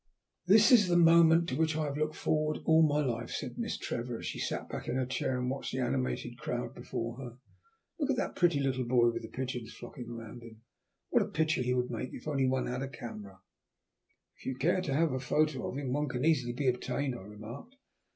"This is the moment to which I have looked forward all my life," said Miss Trevor, as she sat back in her chair and watched the animated crowd before her. "Look at that pretty little boy with the pigeons flocking round him. What a picture he would make if one only had a camera." "If you care to have a photo of him one can easily be obtained," I remarked.